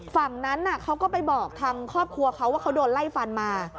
ฝั่งนั้นเขาก็ไปบอกทางครอบครัวเขาว่าเขาโดนไล่ฟันมา